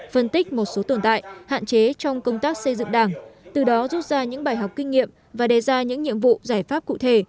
phân tích một số tồn tại hạn chế trong công tác xây dựng đảng từ đó rút ra những bài học kinh nghiệm và đề ra những nhiệm vụ giải pháp cụ thể